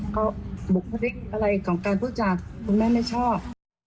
ก็บุคลิกอะไรของการพูดจากคุณแม่ไม่ชอบ